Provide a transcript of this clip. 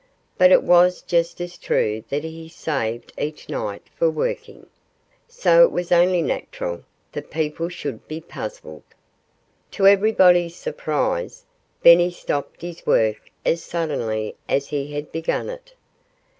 But it was just as true that he saved each night for working. So it was only natural that people should be puzzled. To everybody's surprise, Benny stopped his work as suddenly as he had begun it.